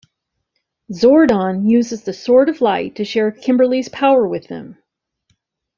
Zordon uses the Sword of Light to share Kimberly's power with them.